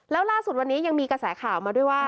แล้วล่าสุดวันนี้ยังมีกระแสข่าวมาด้วยว่า